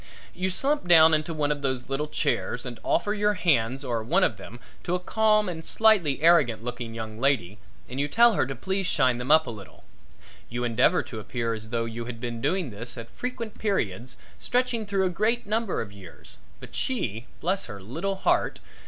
You slump down into one of those little chairs and offer your hands or one of them to a calm and slightly arrogant looking young lady and you tell her to please shine them up a little. You endeavor to appear as though you had been doing this at frequent periods stretching through a great number of years, but she bless her little heart!